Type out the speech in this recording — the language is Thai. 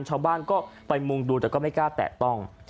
ชาวบ้านก็ไปมุงดูแต่ก็ไม่กล้าแตะต้อง